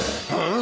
ん？